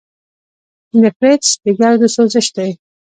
د نیفریټس د ګردو سوزش دی.